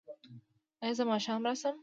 ایا زه ماښام راشم؟